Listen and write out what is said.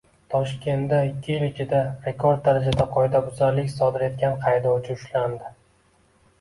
Toshkentdaikkiyil ichida rekord darajada qoidabuzarlik sodir etgan haydovchi ushlandi